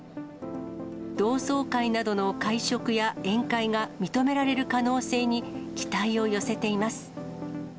同窓会などの会食や宴会が認められる可能性に、期待を寄せています。